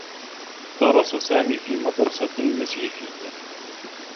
درس سامي في مدرسة مسيحيّة.